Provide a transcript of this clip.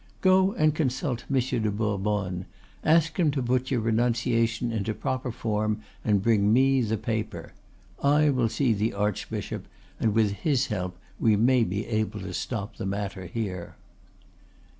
Go and consult Monsieur de Bourbonne; ask him to put your renunciation into proper form, and bring me the paper. I will see the archbishop, and with his help we may be able to stop the matter here."